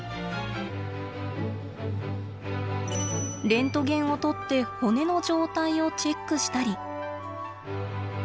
レントゲンを撮って骨の状態をチェックしたり。